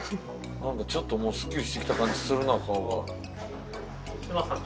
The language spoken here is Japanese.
なんかちょっともうすっきりしてきた感じするな顔が。